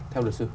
theo đại sư